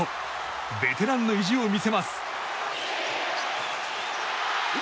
ベテランの意地を見せます！